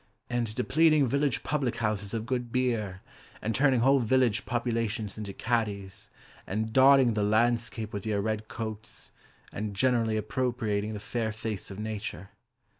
And depleting village public houses of good beer, And turning whole village populations into caddies, And dotting the landscape with your red coats, And generally appropriating the fair face of Nature.